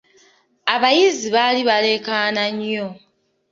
Abayizi baali balekaana nnyo.